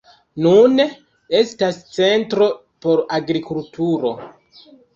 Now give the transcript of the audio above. Nune estas centro por agrikulturo.